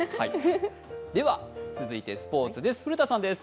続いてスポ−ツです。